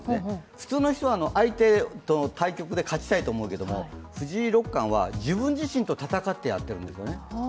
普通の人は相手との対局で勝ちたいと思うけど、藤井六冠は自分自身と戦ってやっているんですね。